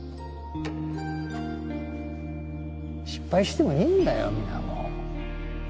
失敗してもいいんだよ水面